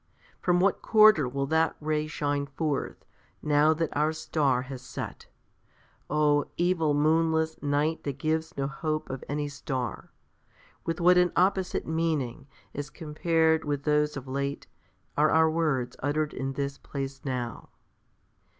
From what quarter will that ray shine forth, now that our star has set? Oh! evil moonless night that gives no hope of any star! With what an opposite meaning, as compared with those of late, are our words uttered in this place now!